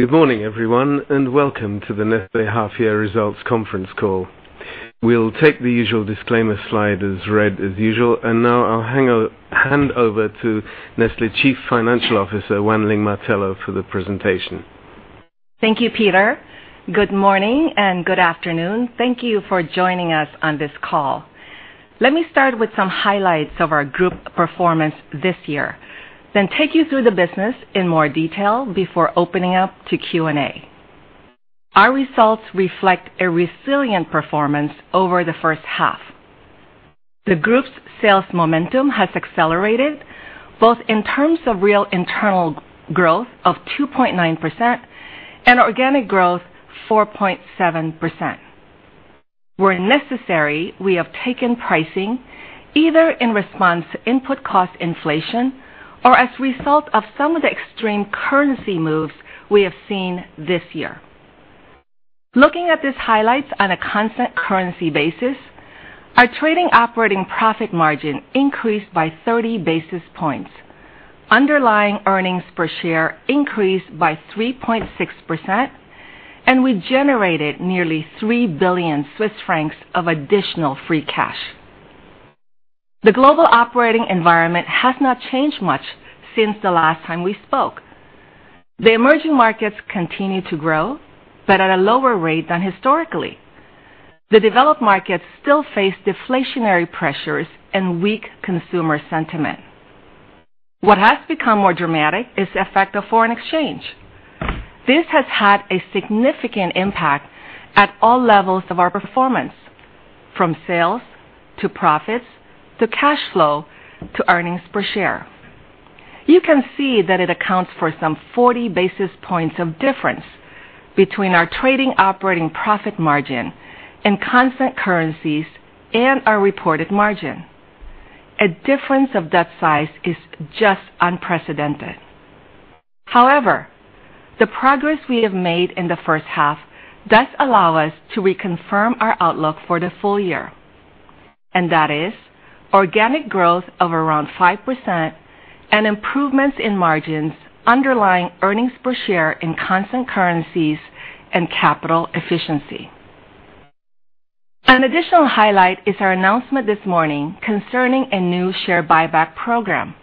Good morning, everyone, welcome to the Nestlé Half Year Results Conference Call. We'll take the usual disclaimer slide as read as usual. Now I'll hand over to Nestlé Chief Financial Officer, Wan Ling Martello, for the presentation. Thank you, Peter. Good morning and good afternoon. Thank you for joining us on this call. Let me start with some highlights of our group performance this year, then take you through the business in more detail before opening up to Q&A. Our results reflect a resilient performance over the first half. The group's sales momentum has accelerated both in terms of real internal growth of 2.9% and organic growth 4.7%. Where necessary, we have taken pricing either in response to input cost inflation or as a result of some of the extreme currency moves we have seen this year. Looking at these highlights on a constant currency basis, our trading operating profit margin increased by 30 basis points. Underlying earnings per share increased by 3.6%. We generated nearly 3 billion Swiss francs of additional free cash. The global operating environment has not changed much since the last time we spoke. The emerging markets continue to grow, but at a lower rate than historically. The developed markets still face deflationary pressures and weak consumer sentiment. What has become more dramatic is the effect of foreign exchange. This has had a significant impact at all levels of our performance, from sales to profits to cash flow to earnings per share. You can see that it accounts for some 40 basis points of difference between our trading operating profit margin in constant currencies and our reported margin. A difference of that size is just unprecedented. However, the progress we have made in the first half does allow us to reconfirm our outlook for the full year. That is organic growth of around 5% and improvements in margins underlying earnings per share in constant currencies and capital efficiency. An additional highlight is our announcement this morning concerning a new share buyback program.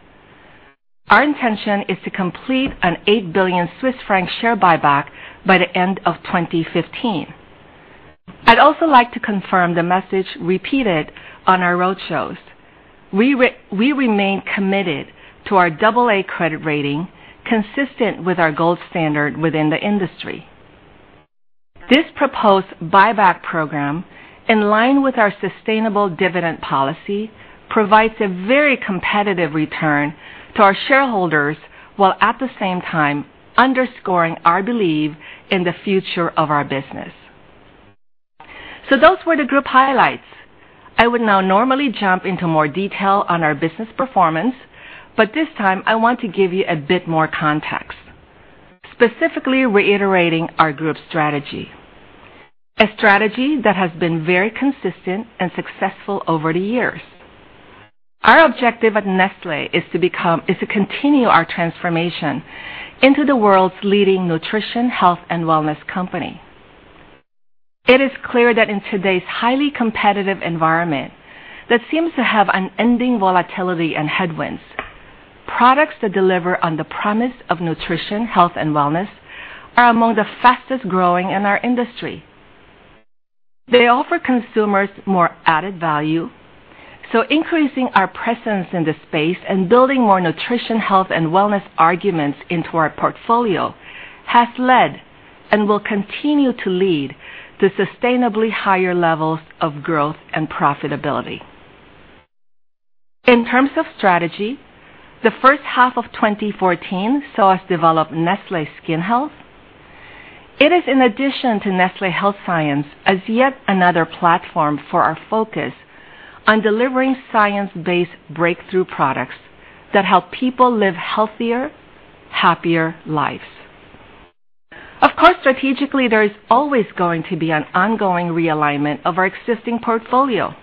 Our intention is to complete a 8 billion Swiss franc share buyback by the end of 2015. I'd also like to confirm the message repeated on our roadshows. We remain committed to our double A credit rating consistent with our gold standard within the industry. This proposed buyback program, in line with our sustainable dividend policy, provides a very competitive return to our shareholders, while at the same time underscoring our belief in the future of our business. Those were the group highlights. I would now normally jump into more detail on our business performance, this time I want to give you a bit more context, specifically reiterating our group strategy. A strategy that has been very consistent and successful over the years. Our objective at Nestlé is to continue our transformation into the world's leading nutrition, health, and wellness company. It is clear that in today's highly competitive environment, that seems to have unending volatility and headwinds. Products that deliver on the promise of nutrition, health, and wellness are among the fastest-growing in our industry. They offer consumers more added value, increasing our presence in this space and building more nutrition, health, and wellness arguments into our portfolio has led, and will continue to lead, to sustainably higher levels of growth and profitability. In terms of strategy, the first half of 2014 saw us develop Nestlé Skin Health. It is in addition to Nestlé Health Science as yet another platform for our focus on delivering science-based breakthrough products that help people live healthier, happier lives. Of course, strategically, there is always going to be an ongoing realignment of our existing portfolio.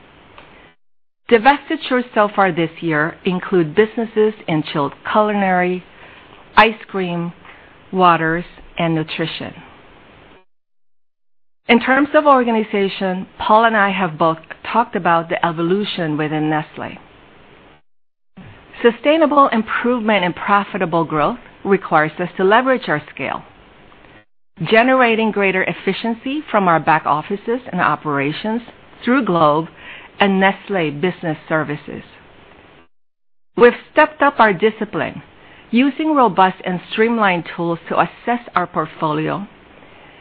Divestitures so far this year include businesses in chilled culinary, ice cream, waters, and nutrition. In terms of organization, Paul and I have both talked about the evolution within Nestlé. Sustainable improvement in profitable growth requires us to leverage our scale, generating greater efficiency from our back offices and operations through Globe and Nestlé Business Services. We've stepped up our discipline using robust and streamlined tools to assess our portfolio,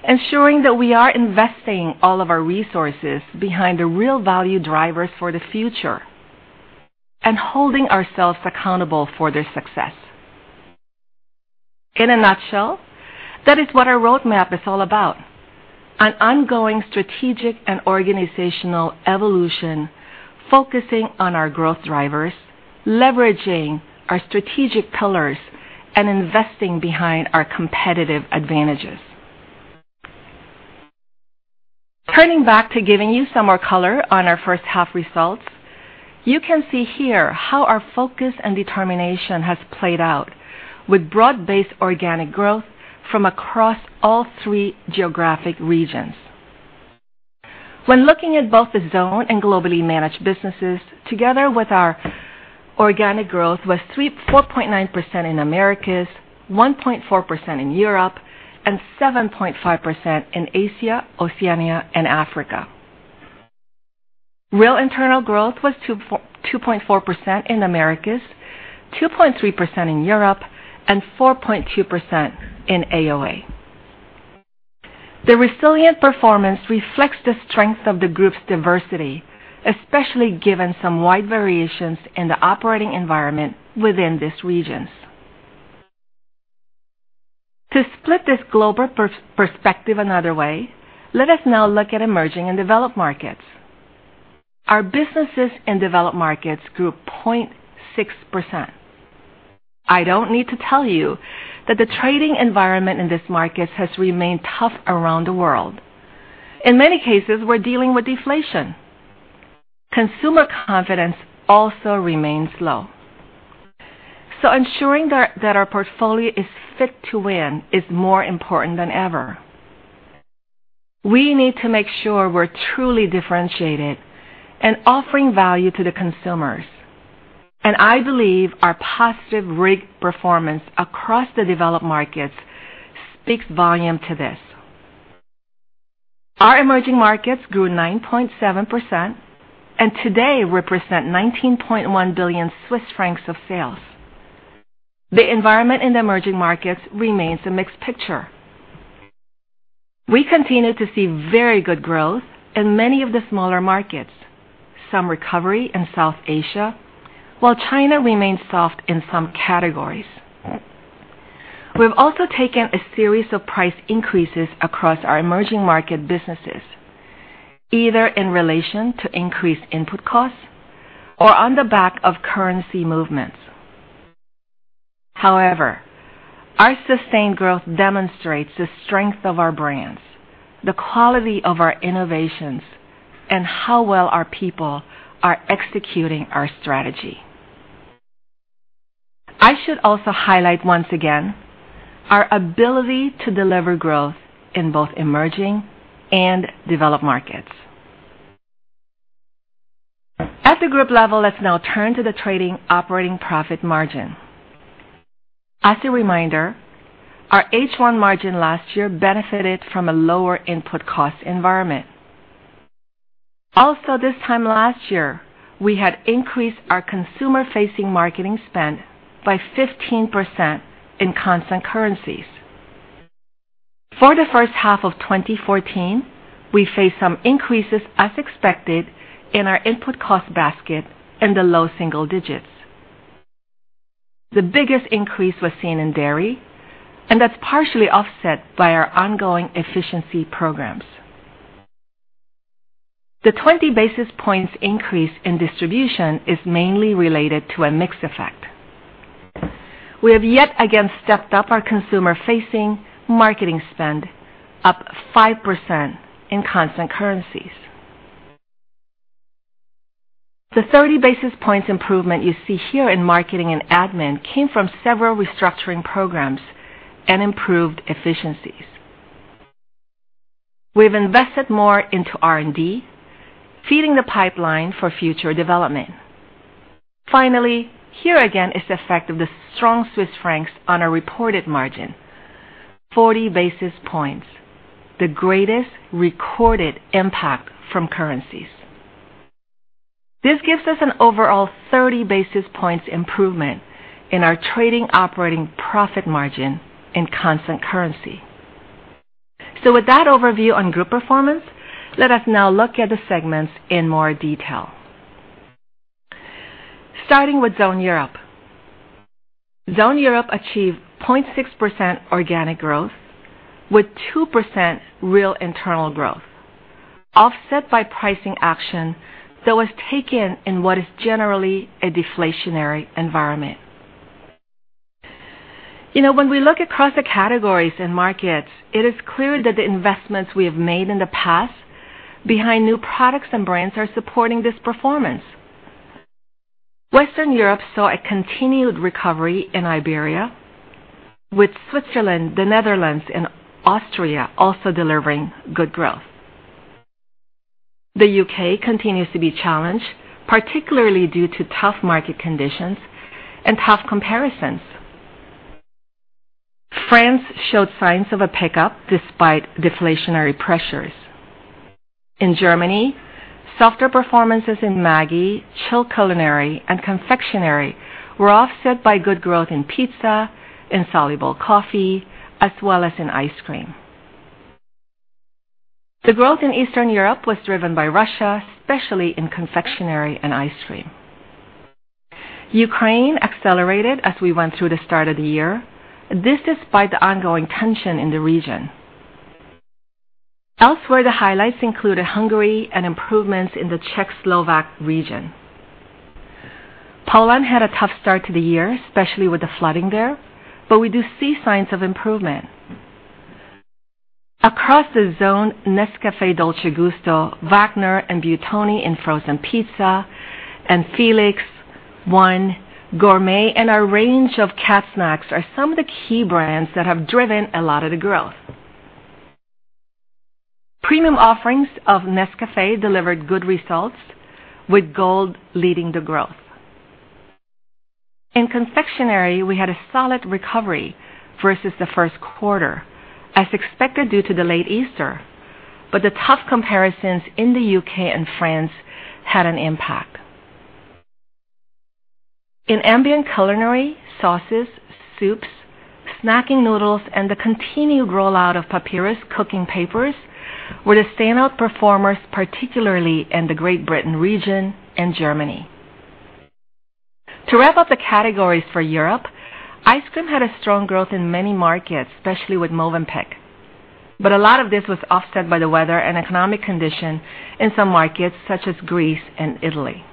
ensuring that we are investing all of our resources behind the real value drivers for the future, and holding ourselves accountable for their success. In a nutshell, that is what our roadmap is all about. An ongoing strategic and organizational evolution focusing on our growth drivers, leveraging our strategic pillars, and investing behind our competitive advantages. Turning back to giving you some more color on our first half results, you can see here how our focus and determination has played out with broad-based organic growth from across all three geographic regions. When looking at both the zone and globally managed businesses together with our organic growth was 4.9% in Americas, 1.4% in Europe, and 7.5% in Asia, Oceania, and Africa. Real internal growth was 2.4% in Americas, 2.3% in Europe, and 4.2% in AOA. The resilient performance reflects the strength of the group's diversity, especially given some wide variations in the operating environment within these regions. To split this global perspective another way, let us now look at emerging and developed markets. Our businesses in developed markets grew 0.6%. I don't need to tell you that the trading environment in these markets has remained tough around the world. In many cases, we're dealing with deflation. Consumer confidence also remains low. Ensuring that our portfolio is fit to win is more important than ever. We need to make sure we're truly differentiated and offering value to the consumers. I believe our positive rate performance across the developed markets speaks volume to this. Our emerging markets grew 9.7% and today represent 19.1 billion Swiss francs of sales. The environment in the emerging markets remains a mixed picture. We continue to see very good growth in many of the smaller markets, some recovery in South Asia, while China remains soft in some categories. We've also taken a series of price increases across our emerging market businesses, either in relation to increased input costs or on the back of currency movements. However, our sustained growth demonstrates the strength of our brands, the quality of our innovations, and how well our people are executing our strategy. I should also highlight once again our ability to deliver growth in both emerging and developed markets. At the group level, let's now turn to the trading operating profit margin. As a reminder, our H1 margin last year benefited from a lower input cost environment. Also, this time last year, we had increased our consumer-facing marketing spend by 15% in constant currencies. For the first half of 2014, we face some increases as expected in our input cost basket in the low single digits. The biggest increase was seen in dairy, and that's partially offset by our ongoing efficiency programs. The 20 basis points increase in distribution is mainly related to a mix effect. We have yet again stepped up our consumer-facing marketing spend up 5% in constant currencies. The 30 basis points improvement you see here in marketing and admin came from several restructuring programs and improved efficiencies. We've invested more into R&D, feeding the pipeline for future development. Finally, here again is the effect of the strong CHF on our reported margin, 40 basis points, the greatest recorded impact from currencies. This gives us an overall 30 basis points improvement in our trading operating profit margin in constant currency. With that overview on group performance, let us now look at the segments in more detail. Starting with Zone Europe. Zone Europe achieved 0.6% organic growth with 2% real internal growth, offset by pricing action that was taken in what is generally a deflationary environment. When we look across the categories and markets, it is clear that the investments we have made in the past behind new products and brands are supporting this performance. Western Europe saw a continued recovery in Iberia, with Switzerland, the Netherlands, and Austria also delivering good growth. The U.K. continues to be challenged, particularly due to tough market conditions and tough comparisons. France showed signs of a pickup despite deflationary pressures. In Germany, softer performances in Maggi, chilled culinary, and confectionery were offset by good growth in pizza, in soluble coffee, as well as in ice cream. The growth in Eastern Europe was driven by Russia, especially in confectionery and ice cream. Ukraine accelerated as we went through the start of the year, this despite the ongoing tension in the region. Elsewhere, the highlights included Hungary and improvements in the Czech Slovak region. Poland had a tough start to the year, especially with the flooding there, we do see signs of improvement. Across the zone, Nescafé Dolce Gusto, Wagner, and Buitoni in frozen pizza, Felix, Purina ONE, Gourmet, and our range of cat snacks are some of the key brands that have driven a lot of the growth. Premium offerings of Nescafé delivered good results, with Nescafé Gold leading the growth. In confectionery, we had a solid recovery versus the first quarter, as expected due to the late Easter. The tough comparisons in the U.K. and France had an impact. In ambient culinary, sauces, soups, snacking noodles, and the continued rollout of Papyrus cooking papers were the standout performers, particularly in the Great Britain region and Germany. To wrap up the categories for Europe, ice cream had a strong growth in many markets, especially with Mövenpick. A lot of this was offset by the weather and economic condition in some markets, such as Greece and Italy.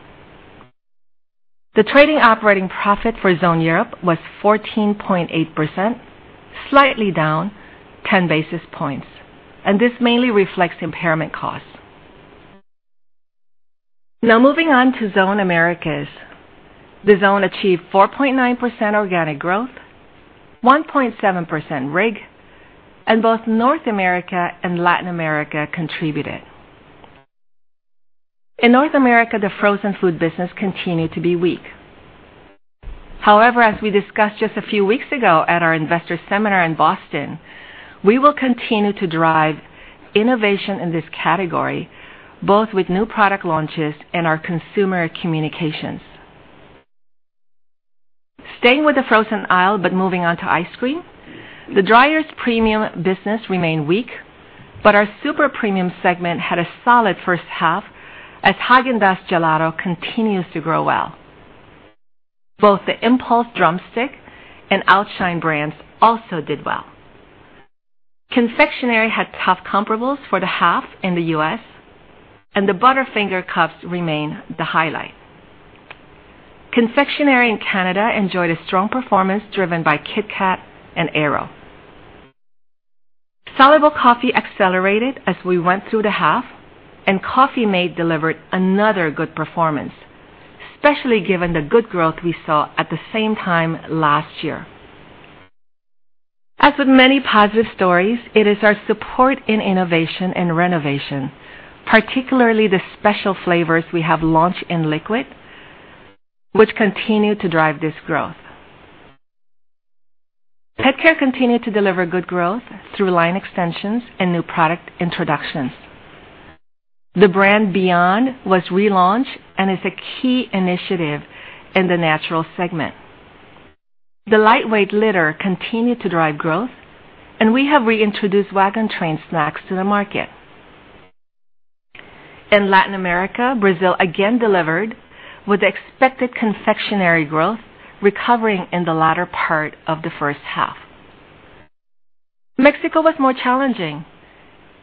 The trading operating profit for Zone Europe was 14.8%, slightly down 10 basis points, and this mainly reflects impairment costs. Moving on to Zone Americas. The zone achieved 4.9% organic growth, 1.7% RIG, and both North America and Latin America contributed. In North America, the frozen food business continued to be weak. However, as we discussed just a few weeks ago at our investor seminar in Boston, we will continue to drive innovation in this category, both with new product launches and our consumer communications. Staying with the frozen aisle, but moving on to ice cream, the Dreyer's premium business remained weak, but our super premium segment had a solid first half as Häagen-Dazs Gelato continues to grow well. Both the impulse Drumstick and Outshine brands also did well. Confectionery had tough comparables for the half in the U.S., and the Butterfinger Cups remain the highlight. Confectionery in Canada enjoyed a strong performance driven by KitKat and Aero. Soluble coffee accelerated as we went through the half, and Coffee-mate delivered another good performance, especially given the good growth we saw at the same time last year. As with many positive stories, it is our support in innovation and renovation, particularly the special flavors we have launched in liquid, which continue to drive this growth. Pet care continued to deliver good growth through line extensions and new product introductions. The brand Beyond was relaunched and is a key initiative in the natural segment. The lightweight litter continued to drive growth, and we have reintroduced Waggin' Train snacks to the market. In Latin America, Brazil again delivered with expected confectionery growth recovering in the latter part of the first half. Mexico was more challenging,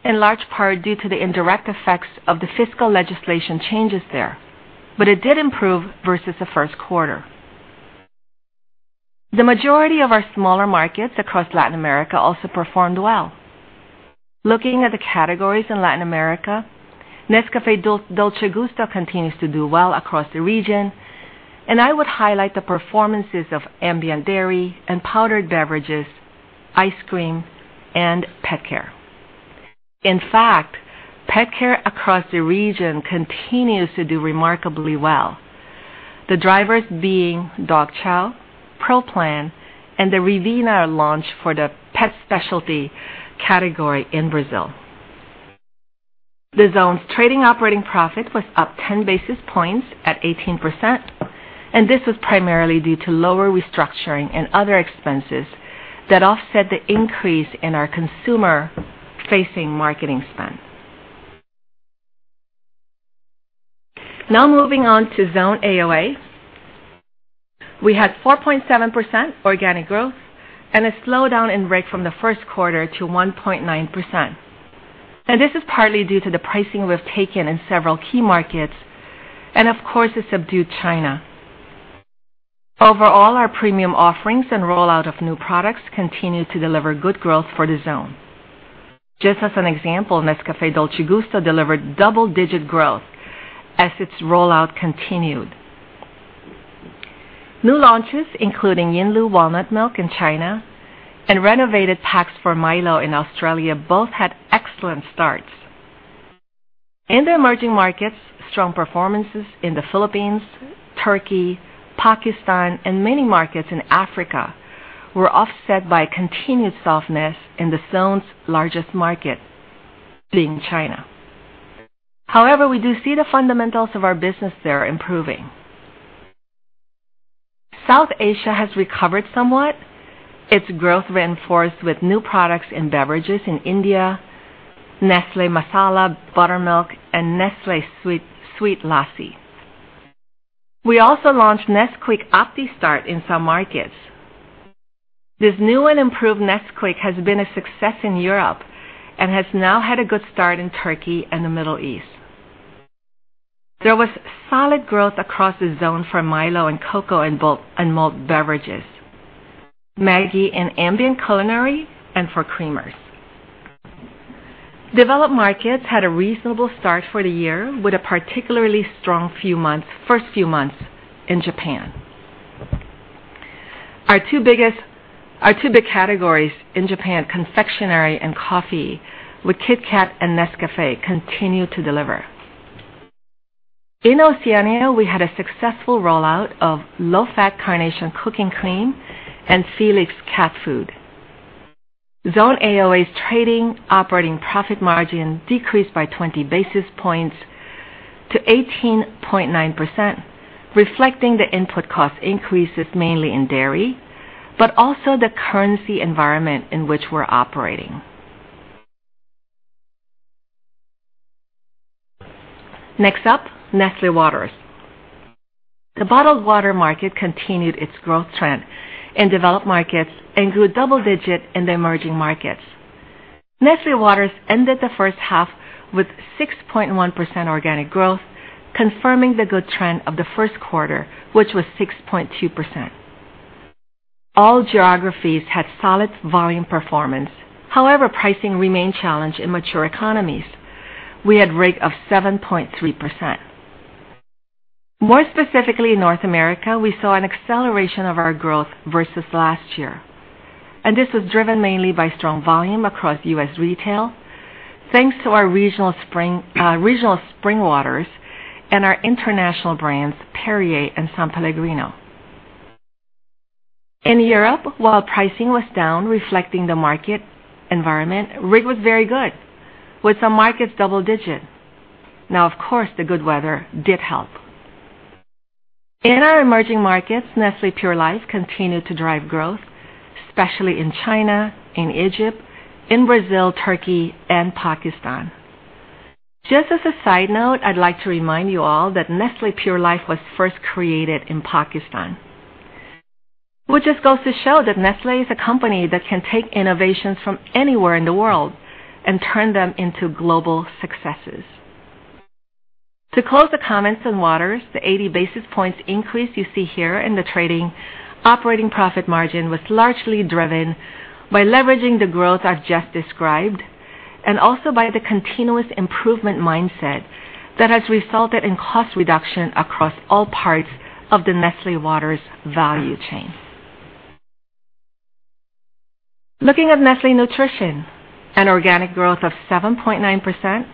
in large part due to the indirect effects of the fiscal legislation changes there, but it did improve versus the first quarter. The majority of our smaller markets across Latin America also performed well. Looking at the categories in Latin America, Nescafé Dolce Gusto continues to do well across the region, and I would highlight the performances of ambient dairy and powdered beverages, ice cream, and pet care. In fact, pet care across the region continues to do remarkably well, the drivers being Dog Chow, Pro Plan, and the Revena launch for the pet specialty category in Brazil. The zone's trading operating profit was up 10 basis points at 18%, and this was primarily due to lower restructuring and other expenses that offset the increase in our consumer-facing marketing spend. Moving on to Zone AOA. We had 4.7% organic growth and a slowdown in RIG from the first quarter to 1.9%. This is partly due to the pricing we've taken in several key markets and, of course, the subdued China. Overall, our premium offerings and rollout of new products continued to deliver good growth for the zone. Just as an example, Nescafé Dolce Gusto delivered double-digit growth as its rollout continued. New launches, including Yinlu Walnut Milk in China and renovated packs for MILO in Australia, both had excellent starts. In the emerging markets, strong performances in the Philippines, Turkey, Pakistan, and many markets in Africa were offset by continued softness in the zone's largest market, being China. However, we do see the fundamentals of our business there improving. South Asia has recovered somewhat. Its growth reinforced with new products in beverages in India, Nestlé Masala Buttermilk, and Nestlé Sweet Lassi. We also launched Nesquik Opti-Start in some markets. This new and improved Nesquik has been a success in Europe and has now had a good start in Turkey and the Middle East. There was solid growth across the Zone for MILO and Cocoa in malt beverages, Maggi in ambient culinary, and for creamers. Developed markets had a reasonable start for the year with a particularly strong first few months in Japan. Our two big categories in Japan, confectionery and coffee, with KitKat and Nescafé, continue to deliver. In Oceania, we had a successful rollout of low-fat Carnation cooking cream and Felix cat food. Zone AOA's trading operating profit margin decreased by 20 basis points to 18.9%, reflecting the input cost increases mainly in dairy, but also the currency environment in which we are operating. Next up, Nestlé Waters. The bottled water market continued its growth trend in developed markets and grew double digit in the emerging markets. Nestlé Waters ended the first half with 6.1% organic growth, confirming the good trend of the first quarter, which was 6.2%. All geographies had solid volume performance. However, pricing remained challenged in mature economies. We had RIG of 7.3%. More specifically, in North America, we saw an acceleration of our growth versus last year. This was driven mainly by strong volume across U.S. retail, thanks to our regional spring waters and our international brands, Perrier and S.Pellegrino. In Europe, while pricing was down, reflecting the market environment, RIG was very good, with some markets double digit. Now, of course, the good weather did help. In our emerging markets, Nestlé Pure Life continued to drive growth, especially in China, in Egypt, in Brazil, Turkey, and Pakistan. Just as a side note, I would like to remind you all that Nestlé Pure Life was first created in Pakistan, which just goes to show that Nestlé is a company that can take innovations from anywhere in the world and turn them into global successes. To close the comments on waters, the 80 basis points increase you see here in the trading operating profit margin was largely driven by leveraging the growth I have just described, and also by the continuous improvement mindset that has resulted in cost reduction across all parts of the Nestlé Waters value chain. Looking at Nestlé Nutrition, an organic growth of 7.9%,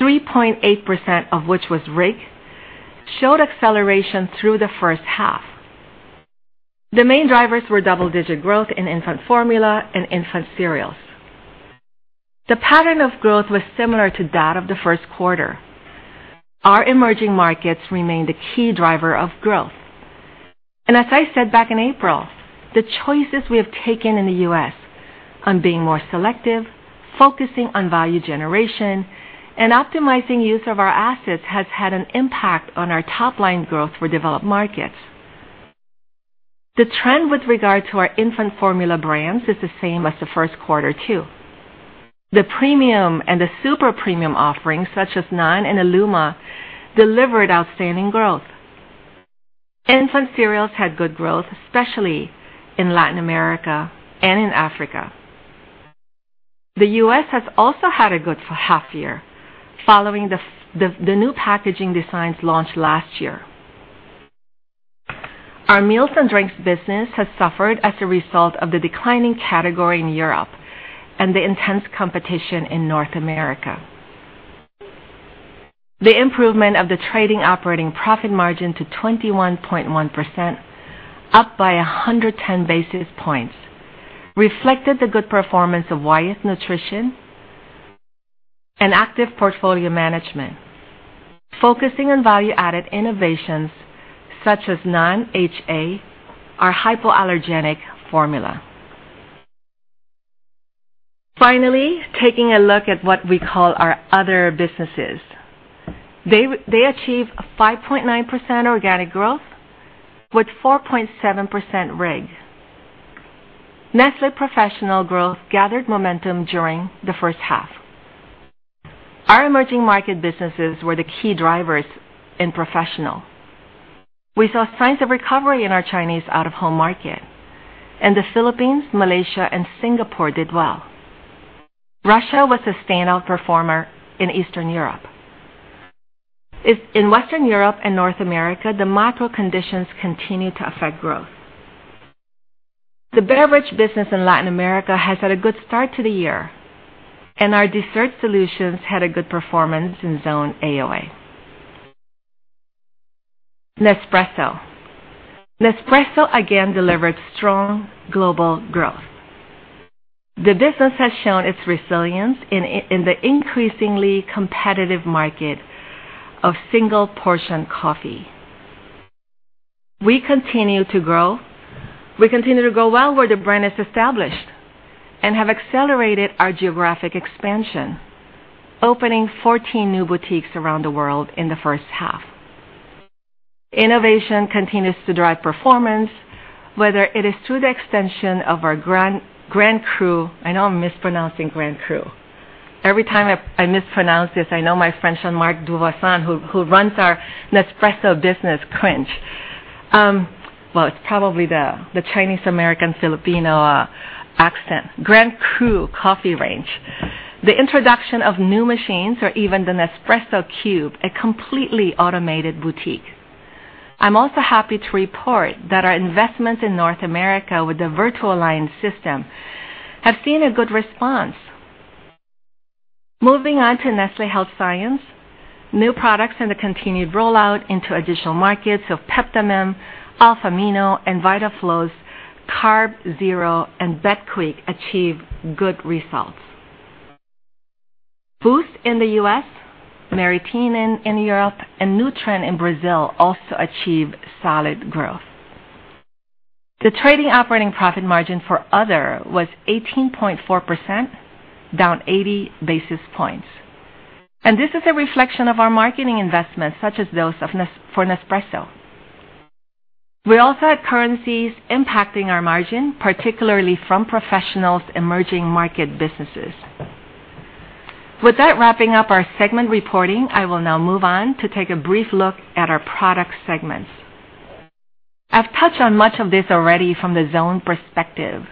3.8% of which was RIG, showed acceleration through the first half. The main drivers were double-digit growth in infant formula and infant cereals. The pattern of growth was similar to that of the first quarter. Our emerging markets remained a key driver of growth. As I said back in April, the choices we have taken in the U.S. on being more selective, focusing on value generation, and optimizing use of our assets has had an impact on our top-line growth for developed markets. The trend with regard to our infant formula brands is the same as the first quarter too. The premium and the super premium offerings, such as Nan and illuma, delivered outstanding growth. Infant cereals had good growth, especially in Latin America and in Africa. The U.S. has also had a good half year following the new packaging designs launched last year. Our meals and drinks business has suffered as a result of the declining category in Europe and the intense competition in North America. The improvement of the trading operating profit margin to 21.1%, up by 110 basis points, reflected the good performance of Wyeth Nutrition and active portfolio management, focusing on value-added innovations such as Nan HA, our hypoallergenic formula. Finally, taking a look at what we call our other businesses. They achieved a 5.9% organic growth with 4.7% RIG. Nestlé Professional growth gathered momentum during the first half. Our emerging market businesses were the key drivers in Professional. We saw signs of recovery in our Chinese out-of-home market, and the Philippines, Malaysia, and Singapore did well. Russia was a standout performer in Eastern Europe. In Western Europe and North America, the macro conditions continued to affect growth. The beverage business in Latin America has had a good start to the year, and our dessert solutions had a good performance in Zone AOA. Nespresso. Nespresso again delivered strong global growth. The business has shown its resilience in the increasingly competitive market of single-portion coffee. We continue to grow well where the brand is established and have accelerated our geographic expansion, opening 14 new boutiques around the world in the first half. Innovation continues to drive performance, whether it is through the extension of our Grand Cru, I know I'm mispronouncing Grand Cru. Every time I mispronounce this, I know my friend Jean-Marc Duvoisin, who runs our Nespresso business, cringe. Well, it's probably the Chinese American Filipino accent. Grand Cru coffee range. The introduction of new machines or even the Nespresso Cube, a completely automated boutique. I'm also happy to report that our investments in North America with the VertuoLine System have seen a good response. Moving on to Nestlé Health Science, new products and the continued rollout into additional markets of Peptamen, Alfamino, Vitaflo, CarbZero, and Betaquik achieve good results. Boost in the U.S., Meritene in Europe, and Nutren in Brazil also achieve solid growth. The trading operating profit margin for other was 18.4%, down 80 basis points. This is a reflection of our marketing investments, such as those for Nespresso. We also had currencies impacting our margin, particularly from professionals' emerging market businesses. With that wrapping up our segment reporting, I will now move on to take a brief look at our product segments. I've touched on much of this already from the zone perspective.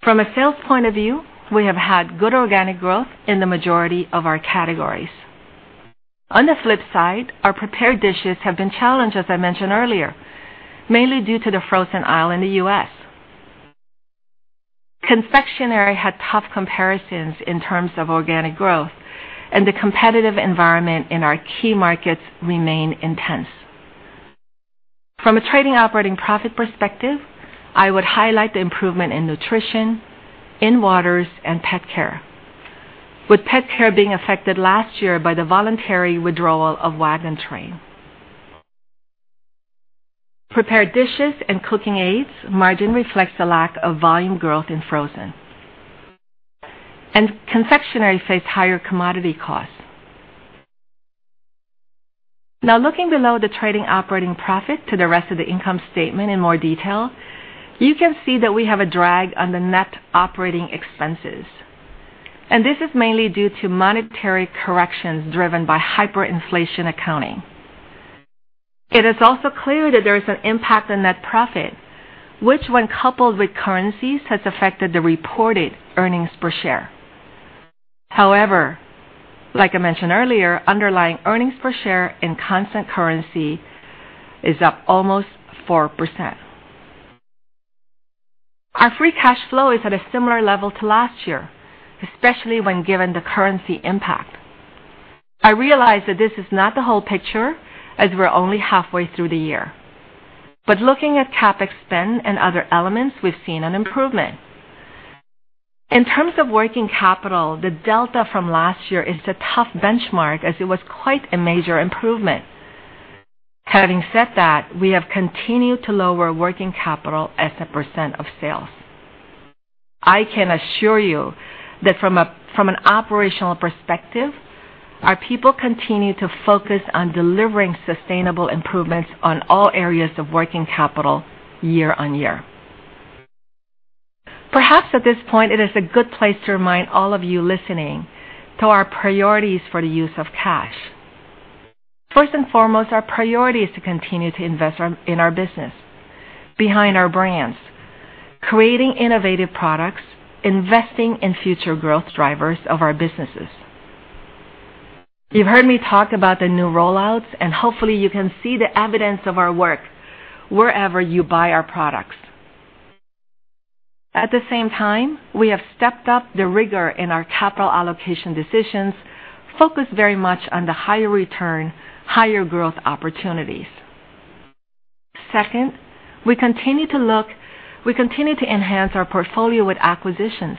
From a sales point of view, we have had good organic growth in the majority of our categories. On the flip side, our prepared dishes have been challenged, as I mentioned earlier, mainly due to the frozen aisle in the U.S. Confectionery had tough comparisons in terms of organic growth, and the competitive environment in our key markets remain intense. From a trading operating profit perspective, I would highlight the improvement in nutrition, in waters, and pet care, with pet care being affected last year by the voluntary withdrawal of Waggin' Train. Prepared dishes and cooking aids margin reflects the lack of volume growth in frozen. Confectionery face higher commodity costs. Now, looking below the trading operating profit to the rest of the income statement in more detail, you can see that we have a drag on the net operating expenses. This is mainly due to monetary corrections driven by hyperinflation accounting. It is also clear that there is an impact on net profit, which when coupled with currencies, has affected the reported earnings per share. However, like I mentioned earlier, underlying earnings per share in constant currency is up almost 4%. Our free cash flow is at a similar level to last year, especially when given the currency impact. I realize that this is not the whole picture, as we're only halfway through the year. Looking at CapEx spend and other elements, we've seen an improvement. In terms of working capital, the delta from last year is a tough benchmark as it was quite a major improvement. Having said that, we have continued to lower working capital as a percent of sales. I can assure you that from an operational perspective, our people continue to focus on delivering sustainable improvements on all areas of working capital year-on-year. Perhaps at this point, it is a good place to remind all of you listening to our priorities for the use of cash. First and foremost, our priority is to continue to invest in our business, behind our brands, creating innovative products, investing in future growth drivers of our businesses. You've heard me talk about the new rollouts, and hopefully, you can see the evidence of our work wherever you buy our products. At the same time, we have stepped up the rigor in our capital allocation decisions, focused very much on the higher return, higher growth opportunities. Second, we continue to enhance our portfolio with acquisitions.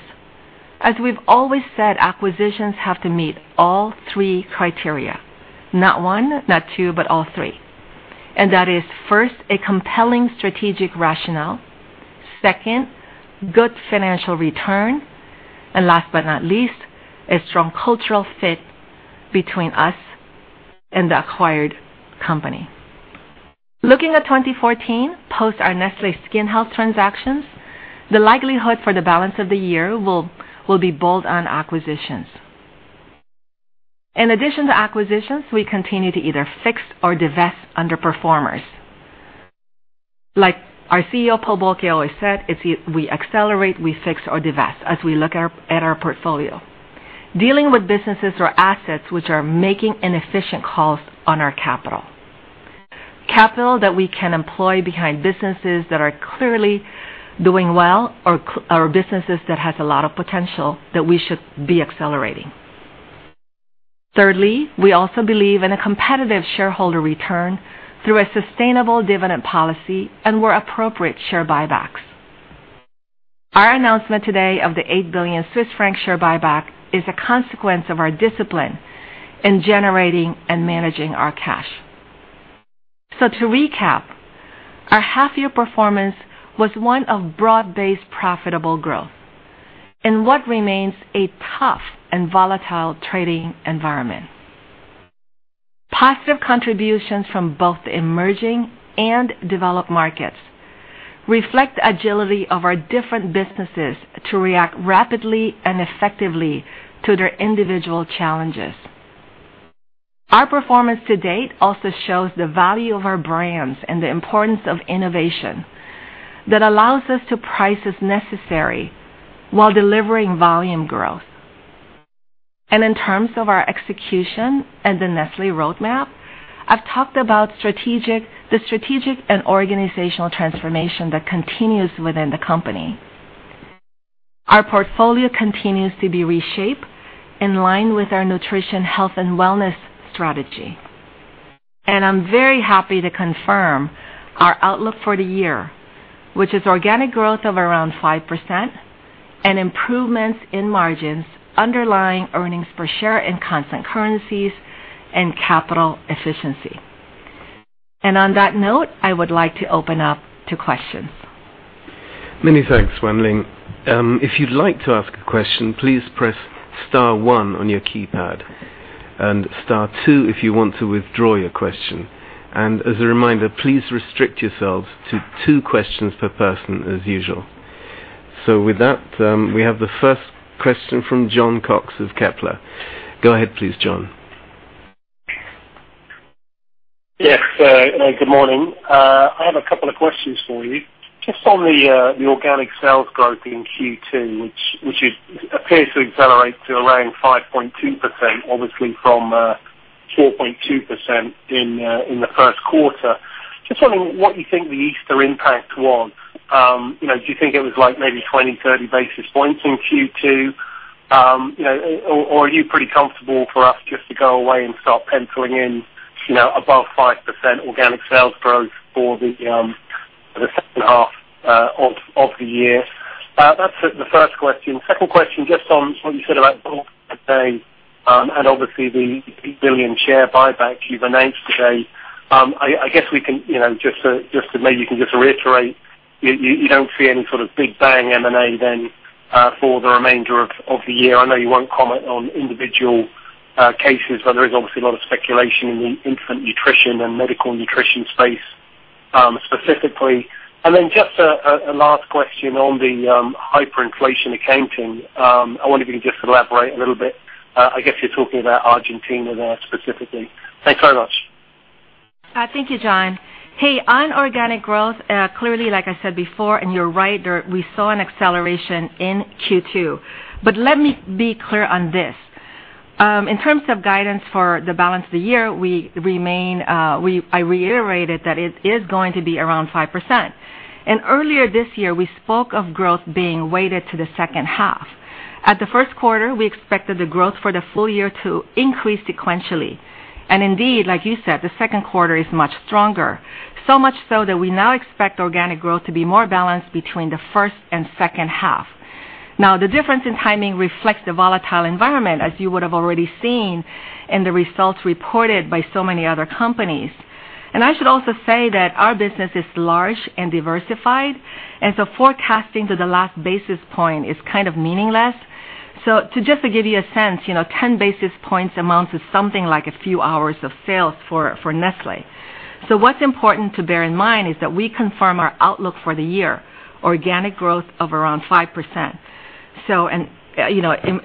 As we've always said, acquisitions have to meet all three criteria, not one, not two, but all three. That is, first, a compelling strategic rationale, second, good financial return, and last but not least, a strong cultural fit between us and the acquired company. Looking at 2014, post our Nestlé Skin Health transactions, the likelihood for the balance of the year will be bold on acquisitions. In addition to acquisitions, we continue to either fix or divest underperformers. Like our CEO, Paul Bulcke, always said, we accelerate, we fix or divest as we look at our portfolio. Dealing with businesses or assets which are making inefficient calls on our capital. Capital that we can employ behind businesses that are clearly doing well or businesses that has a lot of potential that we should be accelerating. Thirdly, we also believe in a competitive shareholder return through a sustainable dividend policy and where appropriate, share buybacks. Our announcement today of the 8 billion Swiss franc share buyback is a consequence of our discipline in generating and managing our cash. To recap, our half year performance was one of broad-based profitable growth. In what remains a tough and volatile trading environment. Positive contributions from both emerging and developed markets reflect the agility of our different businesses to react rapidly and effectively to their individual challenges. Our performance to date also shows the value of our brands and the importance of innovation that allows us to price as necessary while delivering volume growth. In terms of our execution and the Nestlé roadmap, I've talked about the strategic and organizational transformation that continues within the company. Our portfolio continues to be reshaped in line with our nutrition, health, and wellness strategy. I'm very happy to confirm our outlook for the year, which is organic growth of around 5% and improvements in margins, underlying earnings per share in constant currencies, and capital efficiency. On that note, I would like to open up to questions. Many thanks, Wan Ling. If you'd like to ask a question, please press star 1 on your keypad, and star 2 if you want to withdraw your question. As a reminder, please restrict yourselves to 2 questions per person as usual. With that, we have the first question from Jon Cox of Kepler. Go ahead please, Jon. Yes. Good morning. I have a couple of questions for you. Just on the organic sales growth in Q2, which appears to accelerate to around 5.2%, obviously from 4.2% in the first quarter. Just wondering what you think the Easter impact was. Do you think it was maybe 20, 30 basis points in Q2? Or are you pretty comfortable for us just to go away and start penciling in above 5% organic sales growth for the second half of the year? That's the first question. Second question, just on what you said about and obviously the 8 billion share buyback you've announced today. Maybe you can just reiterate, you don't see any sort of big bang M&A then for the remainder of the year. I know you won't comment on individual cases, but there is obviously a lot of speculation in the infant nutrition and medical nutrition space, specifically. Then just a last question on the hyperinflation accounting. I wonder if you can just elaborate a little bit. I guess you're talking about Argentina there specifically. Thanks very much. Thank you, Jon. On organic growth, clearly, like I said before, and you're right, we saw an acceleration in Q2. Let me be clear on this. In terms of guidance for the balance of the year, I reiterated that it is going to be around 5%. Earlier this year, we spoke of growth being weighted to the second half. At the first quarter, we expected the growth for the full year to increase sequentially. Indeed, like you said, the second quarter is much stronger. So much so that we now expect organic growth to be more balanced between the first and second half. The difference in timing reflects the volatile environment, as you would have already seen in the results reported by so many other companies. I should also say that our business is large and diversified, and so forecasting to the last basis point is kind of meaningless. To just give you a sense, 10 basis points amounts is something like a few hours of sales for Nestlé. What's important to bear in mind is that we confirm our outlook for the year, organic growth of around 5%.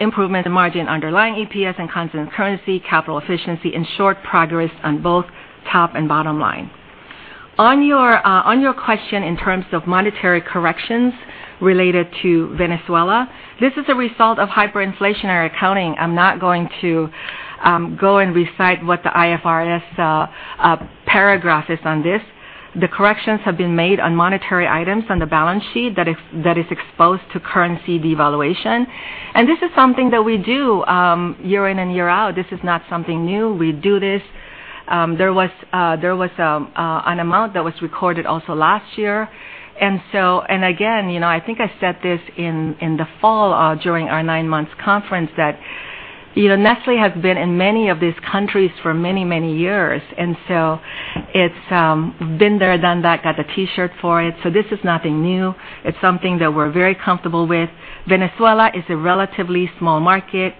Improvement in margin underlying EPS and constant currency, capital efficiency, in short, progress on both top and bottom line. On your question in terms of monetary corrections related to Venezuela, this is a result of hyperinflationary accounting. I'm not going to go and recite what the IFRS paragraph is on this. The corrections have been made on monetary items on the balance sheet that is exposed to currency devaluation. This is something that we do year in and year out. This is not something new. We do this. There was an amount that was recorded also last year. Again, I think I said this in the fall, during our nine-month conference, that Nestlé has been in many of these countries for many, many years. It's been there, done that, got the T-shirt for it. This is nothing new. It's something that we're very comfortable with. Venezuela is a relatively small market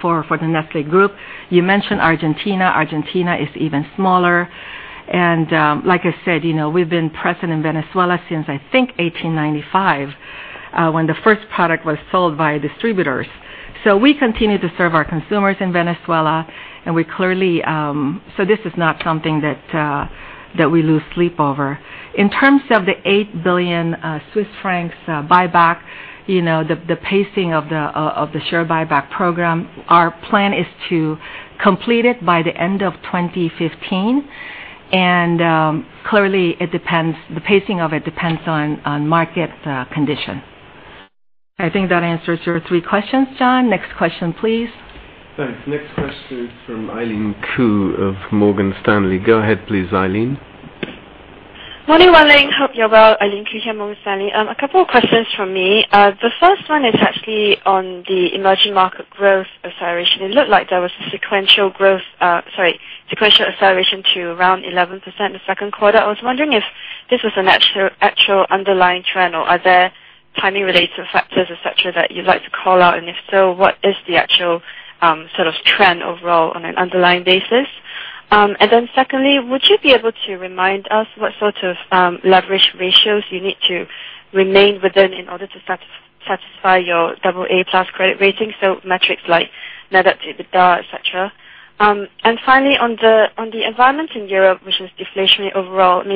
for the Nestlé Group. You mentioned Argentina. Argentina is even smaller. Like I said, we've been present in Venezuela since, I think, 1895, when the first product was sold by distributors. We continue to serve our consumers in Venezuela, so this is not something that we lose sleep over. In terms of the 8 billion Swiss francs buyback, the pacing of the share buyback program, our plan is to complete it by the end of 2015. Clearly, the pacing of it depends on market condition. I think that answers your three questions, John. Next question, please. Thanks. Next question from Eileen Khoo of Morgan Stanley. Go ahead please, Eileen. Morning, Wan Ling. Hope you're well. Eileen Khoo here, Morgan Stanley. A couple of questions from me. The first one is actually on the emerging market growth acceleration. It looked like there was a sequential acceleration to around 11% in the second quarter. I was wondering if this was an actual underlying trend, or are there timing related factors, et cetera, that you'd like to call out, and if so, what is the actual trend overall on an underlying basis? Secondly, would you be able to remind us what sort of leverage ratios you need to remain within in order to satisfy your AA+ credit rating, so metrics like net debt to EBITDA, et cetera. Finally, on the environment in Europe, which is deflationary overall, do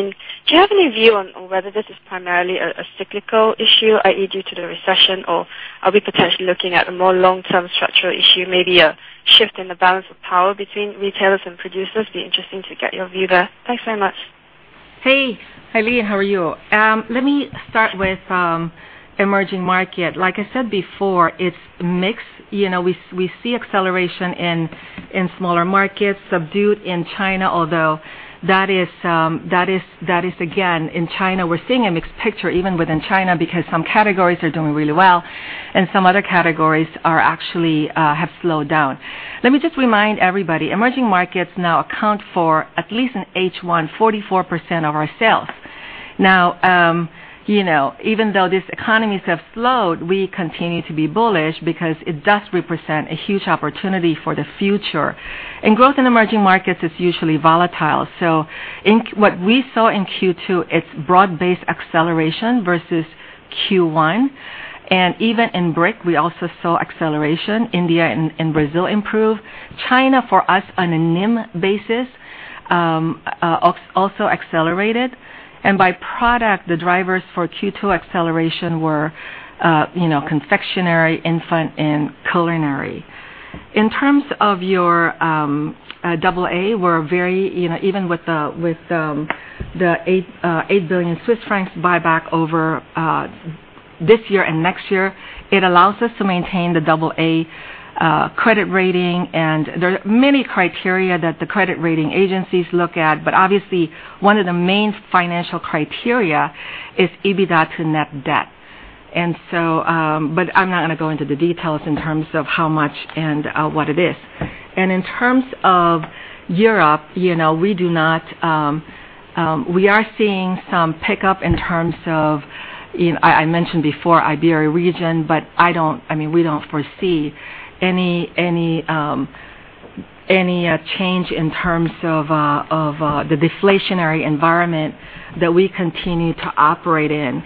you have any view on whether this is primarily a cyclical issue, i.e., due to the recession, or are we potentially looking at a more long-term structural issue, maybe a shift in the balance of power between retailers and producers? Be interesting to get your view there. Thanks so much. Hey, Eileen, how are you? Let me start with emerging market. Like I said before, it's mixed. We see acceleration in smaller markets, subdued in China, although that is, again, in China, we're seeing a mixed picture even within China, because some categories are doing really well and some other categories actually have slowed down. Let me just remind everybody, emerging markets now account for at least in H1, 44% of our sales. Now, even though these economies have slowed, we continue to be bullish because it does represent a huge opportunity for the future. Growth in emerging markets is usually volatile. So what we saw in Q2, it's broad-based acceleration versus Q1. Even in BRIC, we also saw acceleration. India and Brazil improved. China, for us, on a NIM basis, also accelerated. By product, the drivers for Q2 acceleration were confectionery, infant, and culinary. In terms of your double-A, even with the 8 billion Swiss francs buyback over this year and next year, it allows us to maintain the double-A credit rating. There are many criteria that the credit rating agencies look at, but obviously, one of the main financial criteria is EBITDA to net debt. I'm not going to go into the details in terms of how much and what it is. In terms of Europe, we are seeing some pickup in terms of, I mentioned before, Iberia Region, but we don't foresee any change in terms of the deflationary environment that we continue to operate in.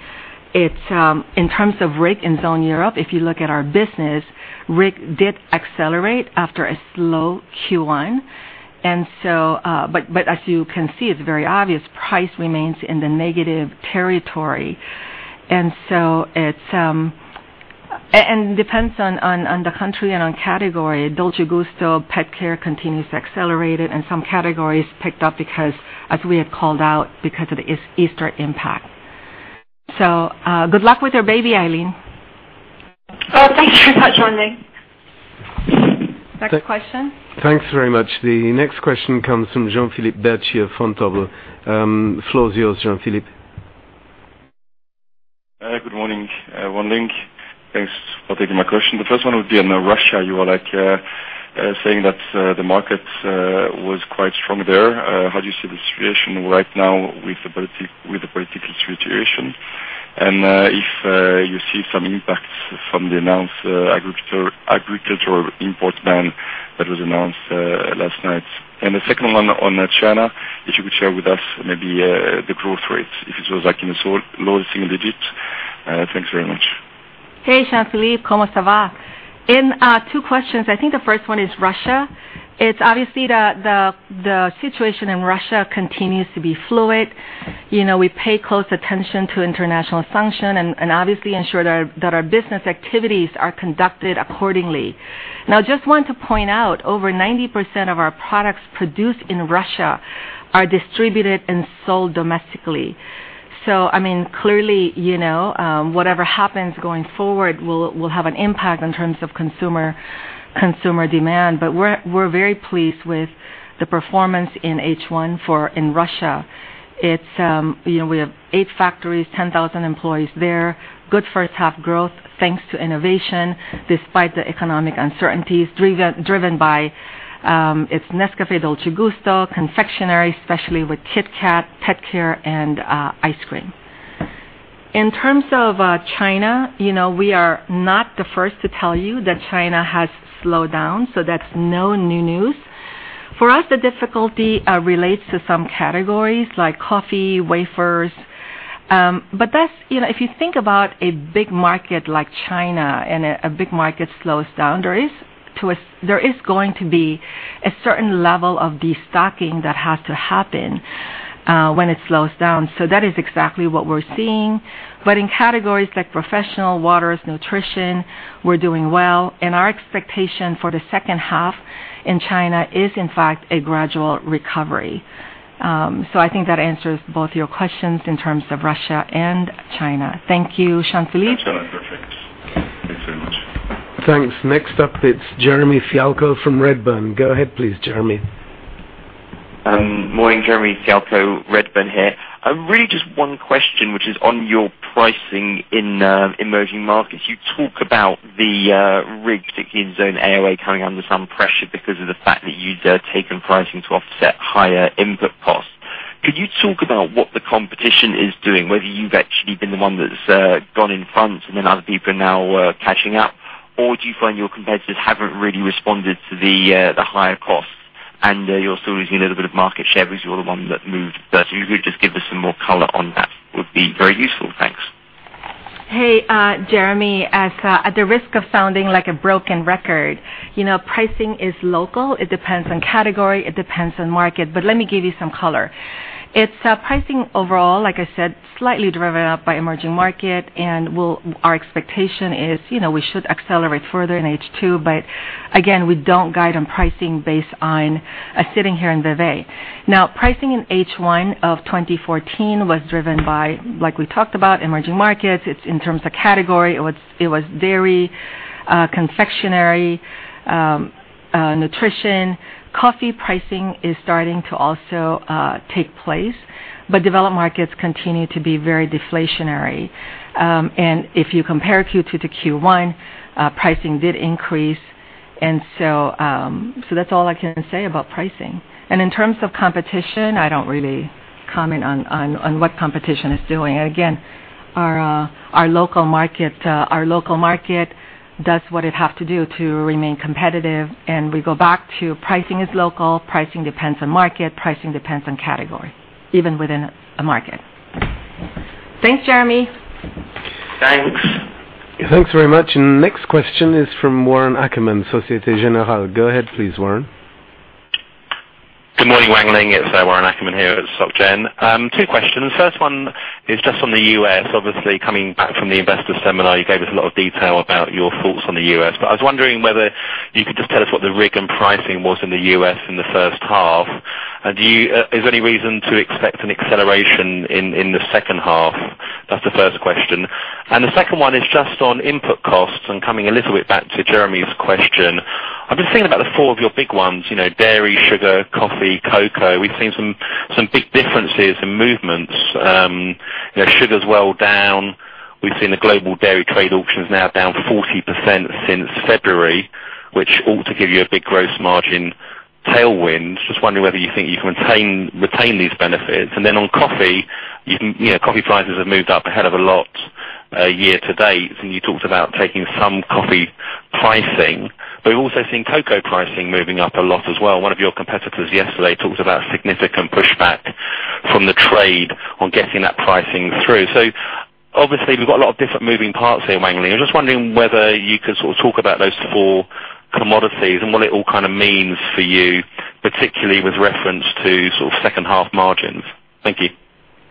In terms of RIG in Zone Europe, if you look at our business, RIG did accelerate after a slow Q1. As you can see, it's very obvious, price remains in the negative territory. Depends on the country and on category. Dolce Gusto, pet care continues to accelerate it, and some categories picked up as we have called out because of the Easter impact. Good luck with your baby, Eileen. Thank you very much, Wan Ling. Next question? Thanks very much. The next question comes from Jean-Philippe Bertschy of Vontobel. The floor is yours, Jean-Philippe. Good morning, Wan Ling. Thanks for taking my question. The first one would be on Russia. You are saying that the market was quite strong there. How do you see the situation right now with the political situation? If you see some impacts from the agricultural import ban that was announced last night. The second one on China, if you could share with us maybe the growth rate, if it was like in a low single digit. Thanks very much. Hey, Jean-Philippe. I think the first one is Russia. It's obviously the situation in Russia continues to be fluid. We pay close attention to international sanction and obviously ensure that our business activities are conducted accordingly. Now, just want to point out, over 90% of our products produced in Russia are distributed and sold domestically. Clearly, whatever happens going forward will have an impact in terms of consumer demand. We're very pleased with the performance in H1 in Russia. We have eight factories, 10,000 employees there. Good first half growth, thanks to innovation, despite the economic uncertainties, driven by its Nescafé Dolce Gusto, confectionery, especially with KitKat, pet care, and ice cream. In terms of China, we are not the first to tell you that China has slowed down, that's no new news. For us, the difficulty relates to some categories like coffee, wafers. If you think about a big market like China and a big market slows down, there is going to be a certain level of destocking that has to happen when it slows down. That is exactly what we're seeing. In categories like professional, waters, nutrition, we're doing well. Our expectation for the second half in China is, in fact, a gradual recovery. I think that answers both your questions in terms of Russia and China. Thank you, Jean-Philippe. Excellent. Perfect. Thanks very much. Thanks. Next up, it's Jeremy Fialko from Redburn. Go ahead, please, Jeremy. Morning, Jeremy Fialko, Redburn here. Really just one question, which is on your pricing in emerging markets. You talk about the RIG, particularly in Zone AOA, coming under some pressure because of the fact that you've taken pricing to offset higher input costs. Could you talk about what the competition is doing? Whether you've actually been the one that's gone in front, and then other people are now catching up? Or do you find your competitors haven't really responded to the higher costs, and you're still losing a little bit of market share because you're the one that moved first? If you could just give us some more color on that would be very useful. Thanks. Hey, Jeremy. At the risk of sounding like a broken record, pricing is local. It depends on category. It depends on market. Let me give you some color. Its pricing overall, like I said, slightly driven up by emerging market, and our expectation is we should accelerate further in H2. Again, we don't guide on pricing based on sitting here in Vevey. Pricing in H1 of 2014 was driven by, like we talked about, emerging markets. In terms of category, it was dairy, confectionery, nutrition. Coffee pricing is starting to also take place. Developed markets continue to be very deflationary. If you compare Q2 to Q1, pricing did increase, and so that's all I can say about pricing. In terms of competition, I don't really comment on what competition is doing. We go back to pricing is local, pricing depends on market, pricing depends on category, even within a market. Thanks, Jeremy. Thanks. Thanks very much. Next question is from Warren Ackerman, Société Générale. Go ahead please, Warren. Good morning, Wan Ling. It's Warren Ackerman here at Soc Gen. Two questions. First one is just on the U.S. Obviously, coming back from the investor seminar, you gave us a lot of detail about your thoughts on the U.S. I was wondering whether you could just tell us what the RIG and pricing was in the U.S. in the first half. Is there any reason to expect an acceleration in the second half? That's the first question. The second one is just on input costs and coming a little bit back to Jeremy's question. I've been thinking about the four of your big ones, dairy, sugar, coffee, cocoa. We've seen some big differences in movements. Sugar's well down. We've seen the global dairy trade auctions now down 40% since February, which ought to give you a big gross margin tailwind. I'm just wondering whether you think you can retain these benefits. Then on coffee prices have moved up a hell of a lot year to date, you talked about taking some coffee pricing. We've also seen cocoa pricing moving up a lot as well. One of your competitors yesterday talked about significant pushback from the trade on getting that pricing through. Obviously, we've got a lot of different moving parts here, Wan Ling. I'm just wondering whether you could sort of talk about those four commodities and what it all kind of means for you, particularly with reference to sort of second half margins. Thank you.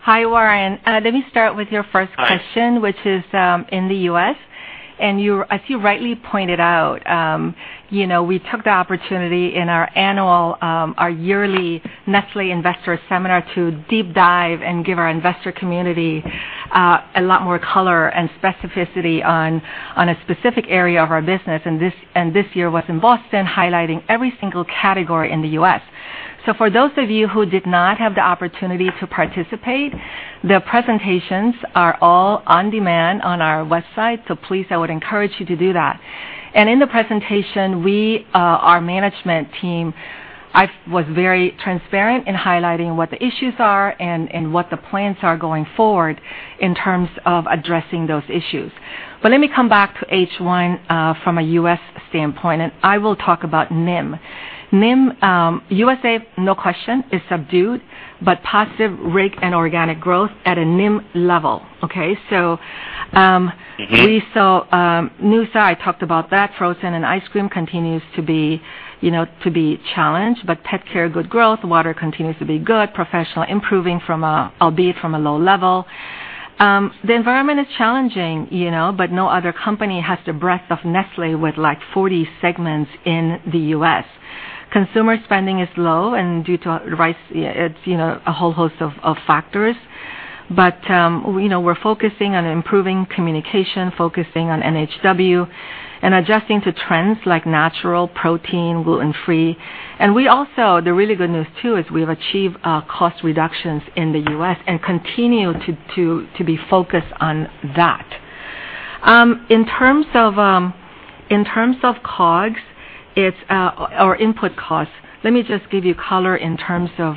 Hi, Warren. Let me start with your first question. Hi which is in the U.S. As you rightly pointed out, we took the opportunity in our yearly Nestlé Investor Seminar to deep dive and give our investor community a lot more color and specificity on a specific area of our business. This year was in Boston, highlighting every single category in the U.S. For those of you who did not have the opportunity to participate, the presentations are all on demand on our website. Please, I would encourage you to do that. In the presentation, our management team was very transparent in highlighting what the issues are and what the plans are going forward in terms of addressing those issues. Let me come back to H1 from a U.S. standpoint, and I will talk about NIM. NIM, U.S.A., no question, is subdued, but positive RIG and organic growth at a NIM level, okay? We saw NUSA, I talked about that. Frozen and ice cream continues to be challenged. Pet care, good growth. Water continues to be good. Professional, improving, albeit from a low level. The environment is challenging, no other company has the breadth of Nestlé with 40 segments in the U.S. Consumer spending is low, and due to rise. It's a whole host of factors. We're focusing on improving communication, focusing on NHW, and adjusting to trends like natural, protein, gluten-free. The really good news too is we've achieved cost reductions in the U.S. and continue to be focused on that. In terms of input costs, let me just give you color in terms of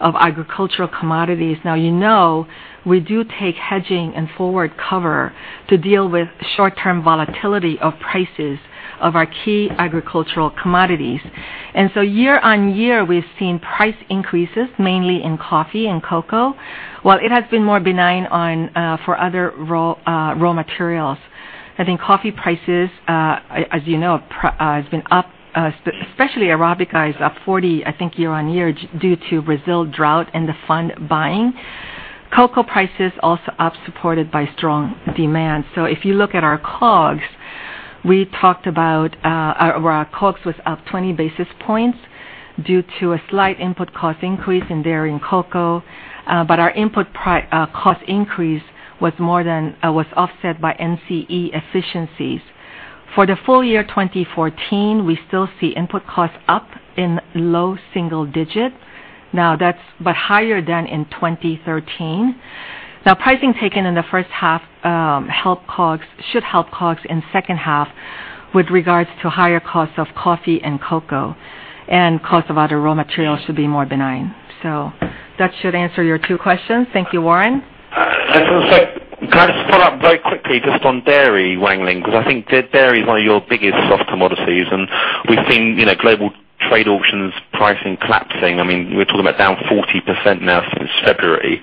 agricultural commodities. You know, we do take hedging and forward cover to deal with short-term volatility of prices of our key agricultural commodities. Year on year, we've seen price increases, mainly in coffee and cocoa, while it has been more benign for other raw materials. I think coffee prices, as you know, has been up, especially Arabica is up 40, I think, year on year due to Brazil drought and the fund buying. Cocoa prices also up, supported by strong demand. If you look at our COGS, our COGS was up 20 basis points due to a slight input cost increase in dairy and cocoa. Our input cost increase was offset by NCE efficiencies. For the full year 2014, we still see input costs up in low single digits. Higher than in 2013. Pricing taken in the first half should help COGS in second half with regards to higher cost of coffee and cocoa, and cost of other raw materials should be more benign. That should answer your two questions. Thank you, Warren. Also, can I just follow up very quickly just on dairy, Wan Ling, because I think that dairy is one of your biggest soft commodities, and we've seen global trade auctions pricing collapsing. We are talking about down 40% now since February.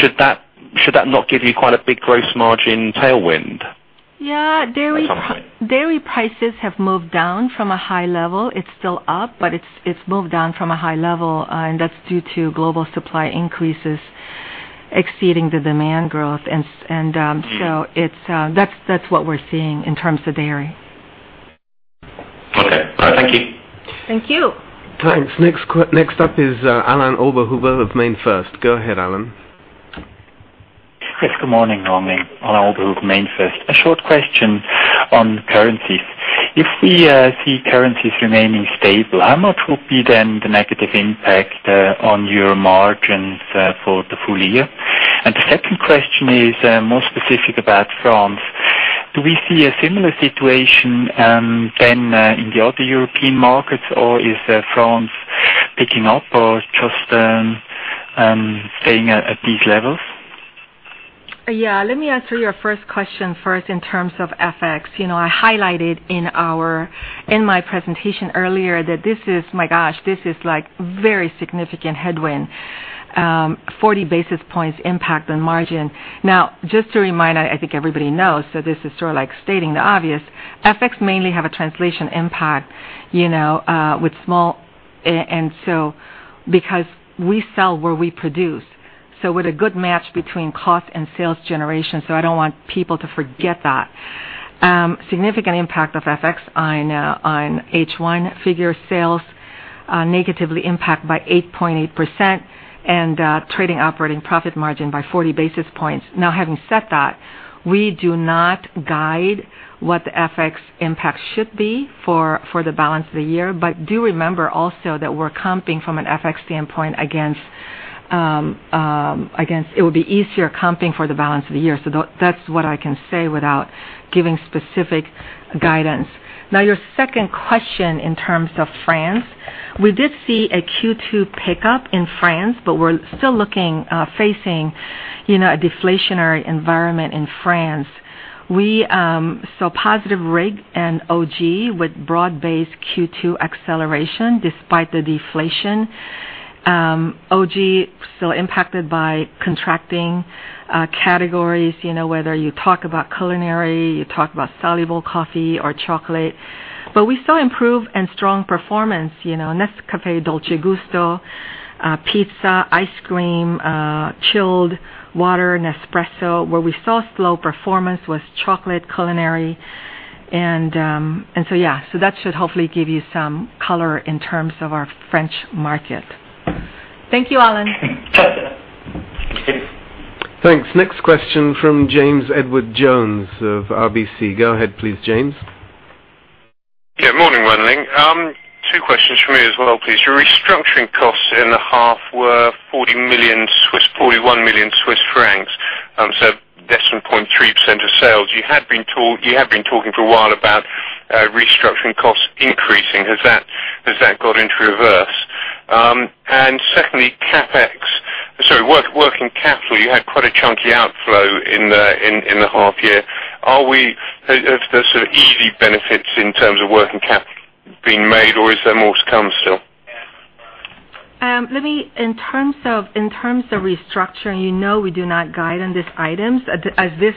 Should that not give you quite a big gross margin tailwind? Yeah. At some point. Dairy prices have moved down from a high level. It is still up, but it has moved down from a high level, and that is due to global supply increases exceeding the demand growth. That's what we're seeing in terms of dairy. Okay. All right, thank you. Thank you. Thanks. Next up is Alain Oberhuber of MainFirst. Go ahead, Alain. Yes, good morning, Wan Ling. Alain Oberhuber, MainFirst. A short question on currencies. If we see currencies remaining stable, how much would be then the negative impact on your margins for the full year? The second question is more specific about France. Do we see a similar situation than in the other European markets, or is France picking up or just staying at these levels? Yeah. Let me answer your first question first in terms of FX. I highlighted in my presentation earlier that this is, my gosh, this is very significant headwind, 40 basis points impact on margin. FX mainly have a translation impact. Because we sell where we produce, so with a good match between cost and sales generation, so I don't want people to forget that. Significant impact of FX on H1 figure sales negatively impact by 8.8% and trading operating profit margin by 40 basis points. Having said that, we do not guide what the FX impact should be for the balance of the year, but do remember also that we're comping from an FX standpoint against. It would be easier comping for the balance of the year. That's what I can say without giving specific guidance. Your second question in terms of France. We did see a Q2 pickup in France, but we're still facing a deflationary environment in France. We saw positive RIG and OG with broad-based Q2 acceleration despite the deflation. OG still impacted by contracting categories, whether you talk about culinary, you talk about soluble coffee or chocolate. We saw improved and strong performance, Nescafé Dolce Gusto, pizza, ice cream, chilled water, Nespresso. Where we saw slow performance was chocolate, culinary, yeah. That should hopefully give you some color in terms of our French market. Thank you, Alain. Okay. Thank you. Thanks. Next question from James Edwardes Jones of RBC. Go ahead please, James. Yeah, morning, Wan Ling. Two questions from me as well, please. Your restructuring costs in the half were 41 million Swiss francs, so less than 0.3% of sales. You have been talking for a while about restructuring costs increasing. Has that got into reverse? Secondly, CapEx, sorry, working capital, you had quite a chunky outflow in the half year. Have the easy benefits in terms of working capital been made, or is there more to come still? In terms of restructuring, you know we do not guide on these items, as this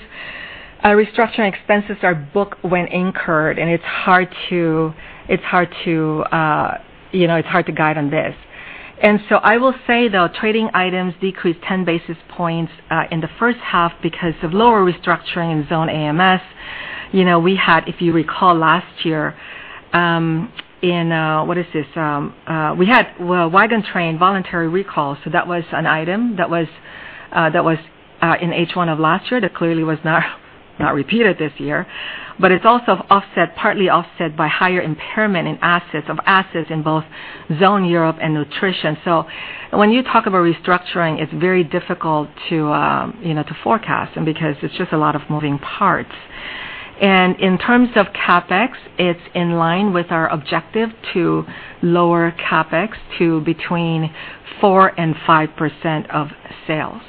restructuring expenses are booked when incurred, and it's hard to guide on this. I will say, though, trading items decreased 10 basis points in the first half because of lower restructuring in Zone Americas. We had, if you recall last year, in, we had Waggin' Train voluntary recall. That was an item that was in H1 of last year that clearly was not repeated this year. It's also partly offset by higher impairment in assets, of assets in both Zone Europe and Nutrition. When you talk about restructuring, it's very difficult to forecast and because it's just a lot of moving parts. In terms of CapEx, it's in line with our objective to lower CapEx to between 4% and 5% of sales.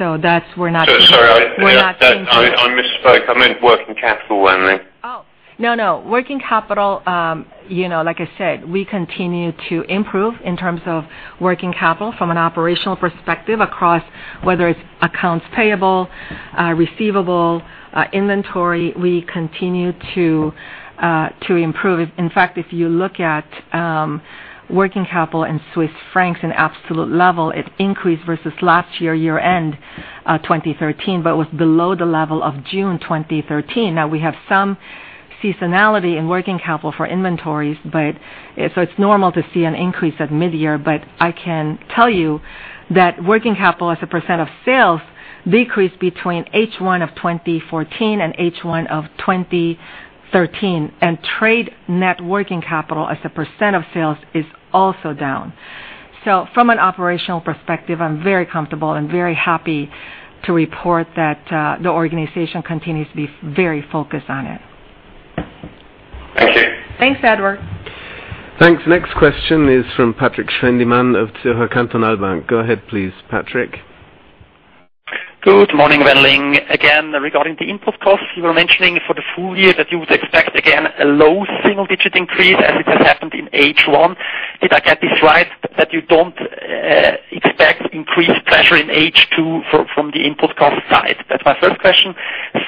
That we're not- Sorry. We're not changing. I misspoke. I meant working capital, Wan Ling. Oh, no. Working capital, like I said, we continue to improve in terms of working capital from an operational perspective across whether it's accounts payable, receivable, inventory. We continue to improve. In fact, if you look at working capital in CHF in absolute level, it increased versus last year-end 2013, but was below the level of June 2013. We have some seasonality in working capital for inventories, so it's normal to see an increase at mid-year, but I can tell you that working capital as a % of sales decrease between H1 of 2014 and H1 of 2013. Trade net working capital as a % of sales is also down. From an operational perspective, I'm very comfortable and very happy to report that the organization continues to be very focused on it. Thank you. Thanks, Edward. Thanks. Next question is from Patrik Schwendimann of Zürcher Kantonalbank. Go ahead please, Patrik. Good morning, Wan Ling. Again, regarding the input costs, you were mentioning for the full year that you would expect, again, a low single-digit increase as it has happened in H1. Did I get this right, that you don't expect increased pressure in H2 from the input cost side? That's my first question.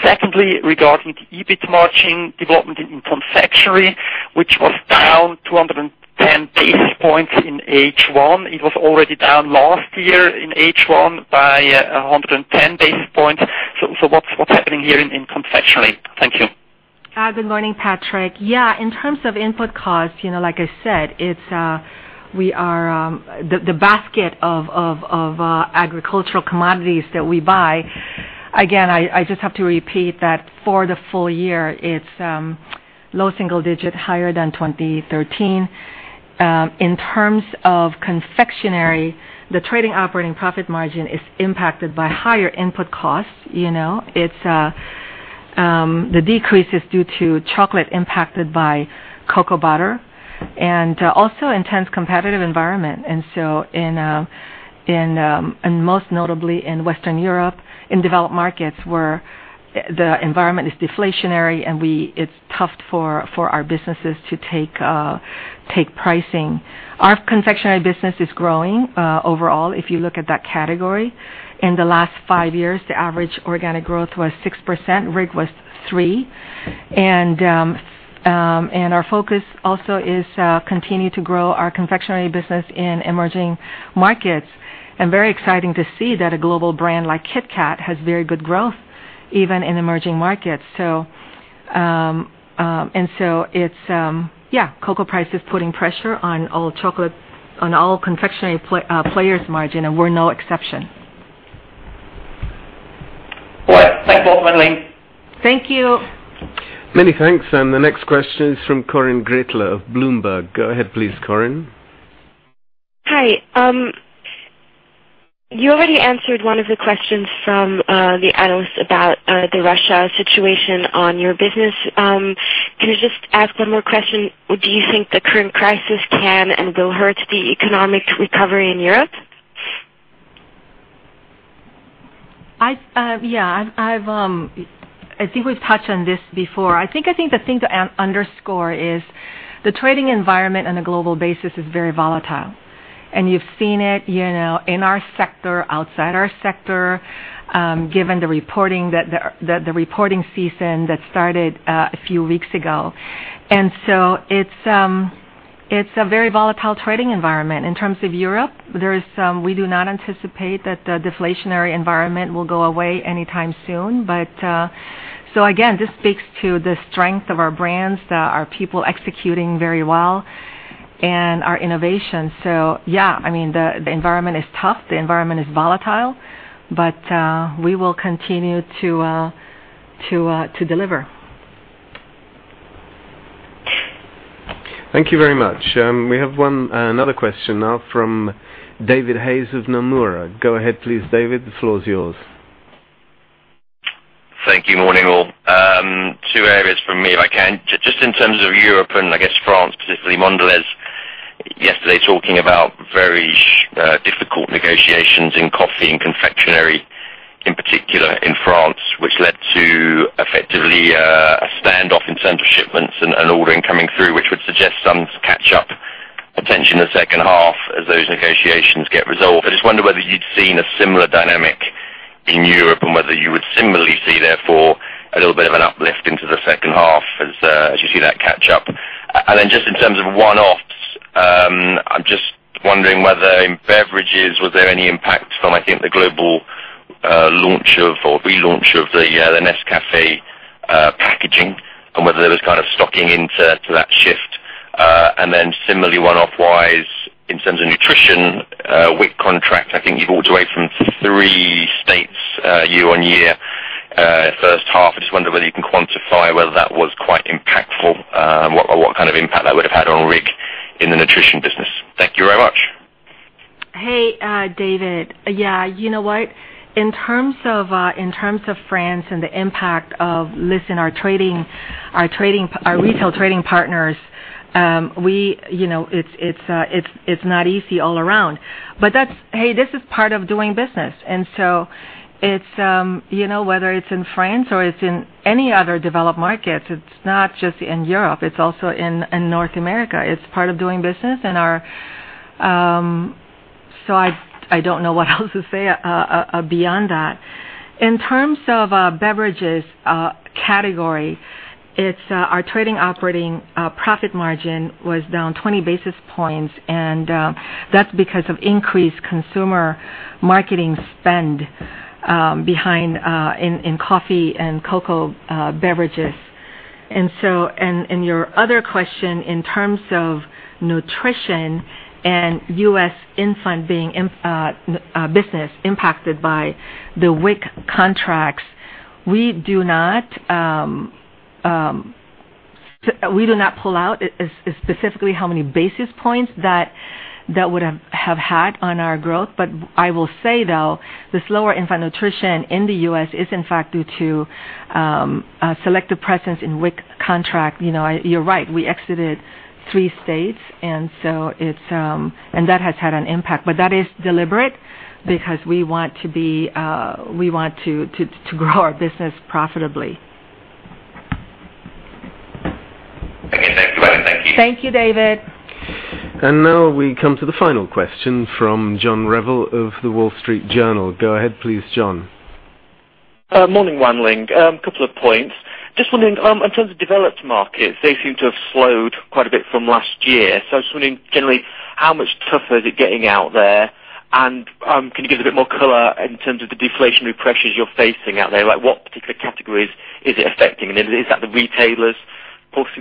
Secondly, regarding the EBIT margin development in confectionery, which was down 210 basis points in H1, it was already down last year in H1 by 110 basis points. What's happening here in confectionery? Thank you. Good morning, Patrik. Yeah, in terms of input costs, like I said, the basket of agricultural commodities that we buy, again, I just have to repeat that for the full year, it's low single digit, higher than 2013. In terms of confectionery, the trading operating profit margin is impacted by higher input costs. The decrease is due to chocolate impacted by cocoa butter and also intense competitive environment. Most notably in Western Europe, in developed markets where the environment is deflationary, and it's tough for our businesses to take pricing. Our confectionery business is growing overall, if you look at that category. In the last five years, the average organic growth was 6%, RIG was 3%. Our focus also is to continue to grow our confectionery business in emerging markets. Very exciting to see that a global brand like Kit Kat has very good growth even in emerging markets. Cocoa price is putting pressure on all confectionery players' margin, and we're no exception. All right. Thanks a lot, Wan Ling. Thank you. Many thanks. The next question is from Corinne Gretler of Bloomberg. Go ahead please, Corinne. Hi. You already answered one of the questions from the analysts about the Russia situation on your business. Can I just ask one more question? Do you think the current crisis can and will hurt the economic recovery in Europe? Yeah. I think we've touched on this before. I think the thing to underscore is the trading environment on a global basis is very volatile, and you've seen it in our sector, outside our sector, given the reporting season that started a few weeks ago. It's a very volatile trading environment. In terms of Europe, we do not anticipate that the deflationary environment will go away anytime soon. Again, this speaks to the strength of our brands, our people executing very well and our innovation. Yeah, the environment is tough, the environment is volatile, but we will continue to deliver. Thank you very much. We have another question now from David Hayes of Nomura. Go ahead please, David. The floor is yours. Thank you. Morning, all. Two areas from me, if I can. Just in terms of Europe and I guess France specifically, Mondelez yesterday talking about very difficult negotiations in coffee and confectionery, in particular in France, which led to effectively a standoff in terms of shipments and ordering coming through, which would suggest some catch-up potential in the second half as those negotiations get resolved. I just wonder whether you'd seen a similar dynamic in Europe and whether you would similarly see, therefore, a little bit of an uplift into the second half as you see that catch-up. Just in terms of one-offs, I'm just wondering whether in beverages, was there any impact from, I think, the global relaunch of the Nescafé packaging, and whether there was kind of stocking into that shift. Similarly, one-off wise, in terms of nutrition, WIC contract, I think you walked away from three states year-on-year first half. I just wonder whether you can quantify whether that was quite impactful, what kind of impact that would have had on RIG in the nutrition business. Thank you very much. Hey, David. You know what? In terms of France and the impact of, listen, our retail trading partners, it's not easy all around. This is part of doing business. Whether it's in France or it's in any other developed market, it's not just in Europe, it's also in North America. It's part of doing business. I don't know what else to say beyond that. In terms of beverages category, our trading operating profit margin was down 20 basis points, and that's because of increased consumer marketing spend behind in coffee and cocoa beverages. Your other question in terms of nutrition and U.S. infant business impacted by the WIC contracts, we do not pull out specifically how many basis points that would have had on our growth. I will say, though, the slower infant nutrition in the U.S. is, in fact, due to selective presence in WIC contract. You're right, we exited three states, and that has had an impact. That is deliberate because we want to grow our business profitably. Again, thanks, Wan. Thank you. Thank you, David. Now we come to the final question from John Revill of The Wall Street Journal. Go ahead, please, John. Morning, Wan Ling. Couple of points. Just wondering, in terms of developed markets, they seem to have slowed quite a bit from last year. I was wondering, generally, how much tougher is it getting out there? Can you give us a bit more color in terms of the deflationary pressures you're facing out there? What particular categories is it affecting? Is that the retailers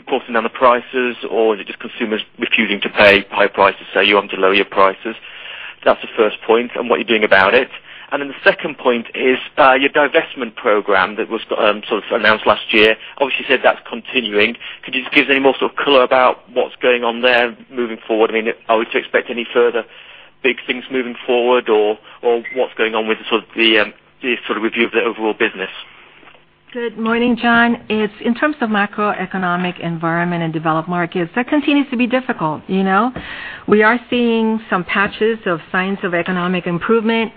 forcing down the prices, or is it just consumers refusing to pay high prices, so you're having to lower your prices? That's the first point and what you're doing about it. The second point is your divestment program that was announced last year, obviously, you said that's continuing. Could you just give us any more sort of color about what's going on there moving forward? Are we to expect any further big things moving forward, or what's going on with the sort of review of the overall business? Good morning, John. In terms of macroeconomic environment and developed markets, that continues to be difficult. We are seeing some patches of signs of economic improvement.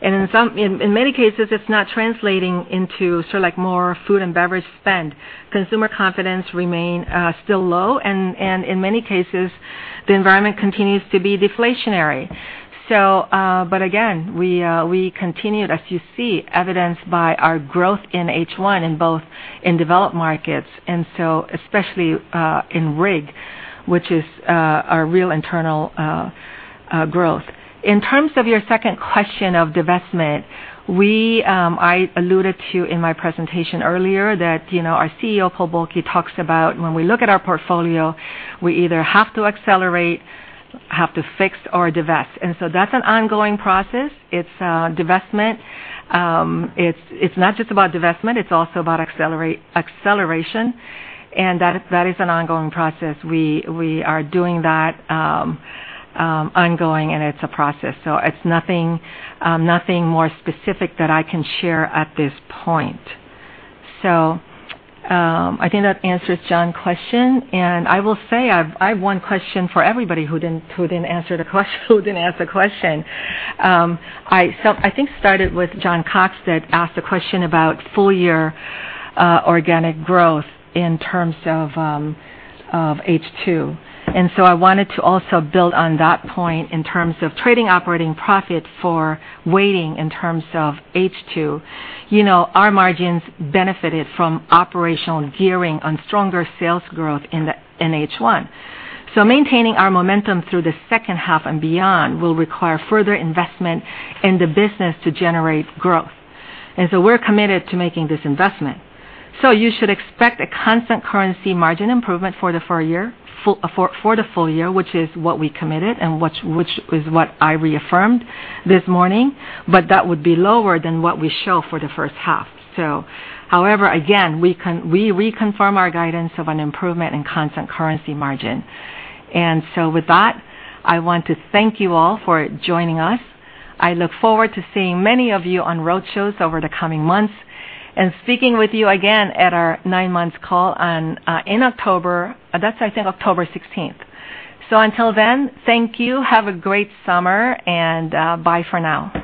In many cases, it's not translating into more food and beverage spend. Consumer confidence remain still low, in many cases, the environment continues to be deflationary. Again, we continued, as you see, evidenced by our growth in H1, in both in developed markets, especially in RIG, which is our Real Internal Growth. In terms of your second question of divestment, I alluded to in my presentation earlier that our CEO, Paul Bulcke, talks about when we look at our portfolio, we either have to accelerate, have to fix or divest. That's an ongoing process. It's divestment. It's not just about divestment, it's also about acceleration. That is an ongoing process. We are doing that ongoing, it's a process. It's nothing more specific that I can share at this point. I think that answers John question. I will say, I have one question for everybody who didn't ask the question. I think started with Jon Cox that asked a question about full-year organic growth in terms of H2. I wanted to also build on that point in terms of trading operating profit for weighting in terms of H2. Our margins benefited from operational gearing on stronger sales growth in H1. Maintaining our momentum through the second half and beyond will require further investment in the business to generate growth. We're committed to making this investment. You should expect a constant currency margin improvement for the full year, which is what we committed and which is what I reaffirmed this morning. That would be lower than what we show for the first half. However, again, we reconfirm our guidance of an improvement in constant currency margin. With that, I want to thank you all for joining us. I look forward to seeing many of you on roadshows over the coming months and speaking with you again at our nine-month call in October. That's, I think, October 16th. Until then, thank you. Have a great summer, bye for now.